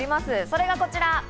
それがこちら。